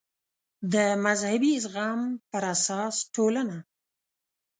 د مذهبي زغم پر اساس ټولنه